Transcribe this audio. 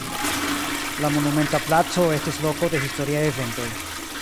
La monumenta placo estis loko de historiaj eventoj.